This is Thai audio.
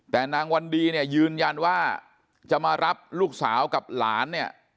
แต่นางวันดีเนี่ยยืนยันว่าจะมารับลูกสาวกับหลานเนี่ย